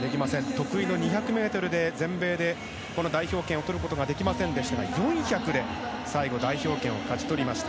得意の２００ｍで全米で、この代表権をとることができませんでしたが４００ｍで最後、代表権を勝ち取りました。